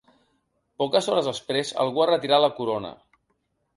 Poques hores després, algú ha retirat la corona.